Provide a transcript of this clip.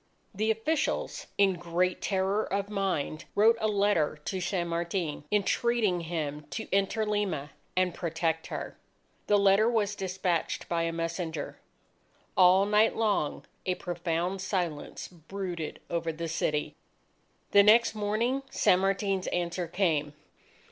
The officials, in great terror of mind, wrote a letter to San Martin, entreating him to enter Lima and protect her. The letter was despatched by a messenger. All night long, a profound silence brooded over the city. The next morning San Martin's answer came.